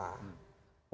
untuk menyatakan besar